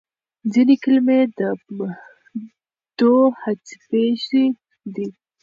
ځینې کلمې دوهڅپیزې دي.